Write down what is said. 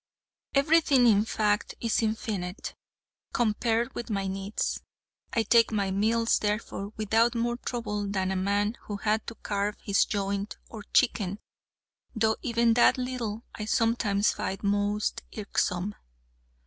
Everything, in fact, is infinite compared with my needs. I take my meals, therefore, without more trouble than a man who had to carve his joint, or chicken: though even that little I sometimes find most irksome.